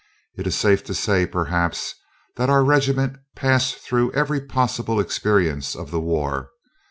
It is safe to say, perhaps, that our regiment passed through every possible experience of the war.